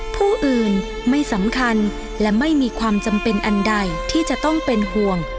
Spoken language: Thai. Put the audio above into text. ผู้อื่นไม่สำคัญและไม่มีความจำเป็นอันใดที่จะต้องเป็นห่วง